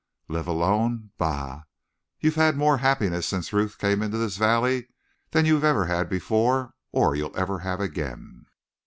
"Live alone? Bah! You've had more happiness since Ruth came into this valley than you've ever had before or you'll ever have again.